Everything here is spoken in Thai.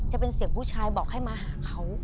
จะเป็นเสียงผู้ชายบอกให้มาหาเขา